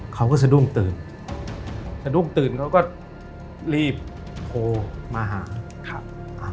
เขาก็สะดุ้งตื่นสะดุ้งตื่นเขาก็รีบโทรมาหาครับ